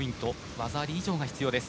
技あり以上が必要です。